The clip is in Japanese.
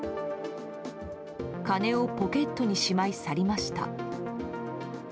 金をポケットにしまい去りました。